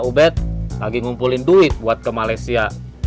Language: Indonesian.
ubed lagi ngumpulin duit buat ke malaysia